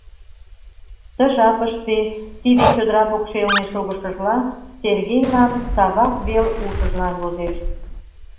Ты жапыште, тиде чодыра покшелне шогышыжла, Сергейлан Савак вел ушыжлан возеш.